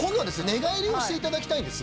寝返りをしていただきたいんですが。